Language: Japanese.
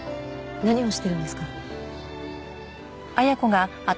何をしてるんですか？